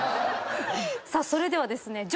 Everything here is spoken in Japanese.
それではですね